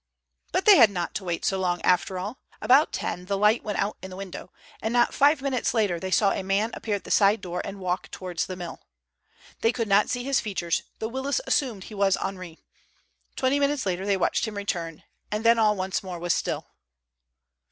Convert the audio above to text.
But they had not to wait so long after all. About ten the light went out in the window and not five minutes later they saw a man appear at the side door and walk towards the mill. They could not see his features, though Willis assumed he was Henri. Twenty minutes later they watched him return, and then all once more was still.